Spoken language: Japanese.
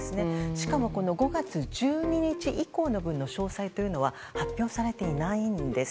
しかもこの５月１２日以降の分の詳細というのは発表されていないんです。